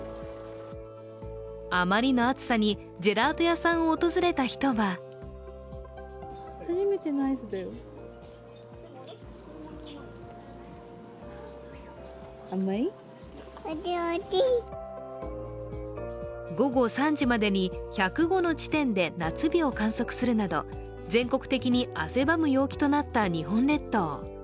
あまりの暑さに、ジェラート屋さんを訪れた人は午後３時までに、１０５の地点で夏日を観測するなど全国的に汗ばむ陽気となった日本列島。